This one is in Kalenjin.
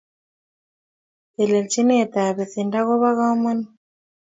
Teleljinoetab besendo ko bo kamanut